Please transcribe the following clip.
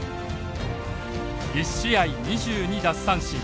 １試合２２奪三振。